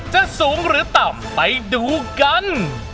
จะสูงหรือต่ำไปดูกัน